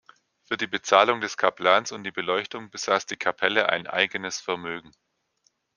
Für die Bezahlung des Kaplans und die Beleuchtung besaß die Kapelle ein eigenes Vermögen.